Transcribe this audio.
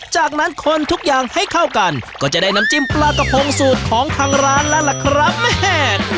จากนั้นคนทุกอย่างให้เข้ากันก็จะได้น้ำจิ้มปลากระพงสูตรของทางร้านแล้วล่ะครับแม่